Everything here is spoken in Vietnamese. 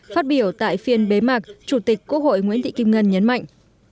phát biểu tại phiên bế mạc chủ tịch quốc hội nguyễn thị kim ngân nhấn mạnh